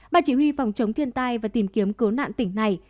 ban chỉ huy phòng chống thiên tai và tìm kiếm cố nạn tỉnh này